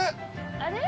あれ？